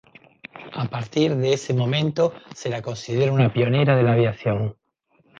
A partir de ese momento, se la considera una pionera de la aviación.